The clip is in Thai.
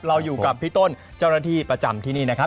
เราอยู่กับพี่ต้นเจ้าหน้าที่ประจำที่นี่นะครับ